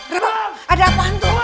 rok ada apaan tuh